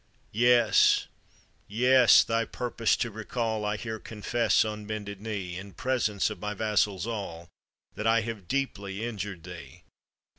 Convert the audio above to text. " Yes! yes ! thy purpose to recall, I here confess on bended knee, In presence of my vassals all, That I have deeply injured thee.